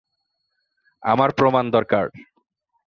আমার প্রমাণ দরকার।